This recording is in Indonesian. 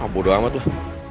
bodoh amat lah